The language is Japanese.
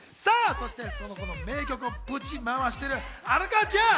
そして、この名曲をブチ回している荒川ちゃん！